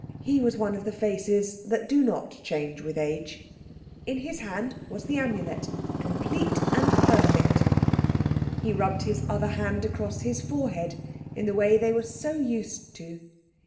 He was one of the faces that do not change with age. In his hand was the Amulet—complete and perfect. He rubbed his other hand across his forehead in the way they were so used to.